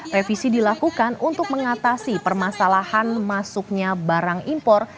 revisi dilakukan untuk mengatasi permasalahan masuknya barang impor